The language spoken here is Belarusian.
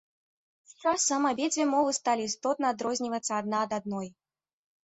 З часам абедзве мовы сталі істотна адрознівацца адна ад адной.